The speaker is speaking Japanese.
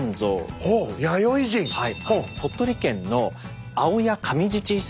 はい。